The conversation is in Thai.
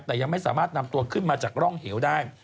แต่ยังไม่สามารถนำตัวขึ้นมาจากร่องเหวได้